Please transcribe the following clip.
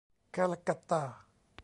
Calcutta!